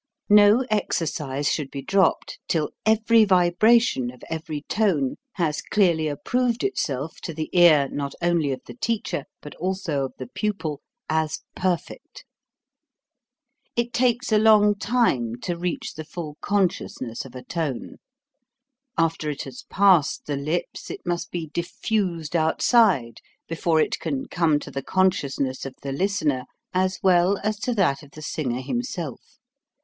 No exercise should be dropped till every vibration of every tone has clearly approved itself to the ear, not only of the teacher, but also of the pupil, as perfect. It takes a long time to reach the full con sciousness of a tone. After it has passed the lips it must be diffused outside, before it can come to the consciousness of the listener as well as to that of the singer himself.